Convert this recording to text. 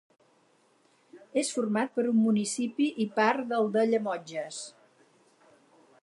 És format per un municipi i part del de Llemotges.